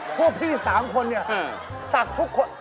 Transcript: พวกพี่๓คนสักทุกคน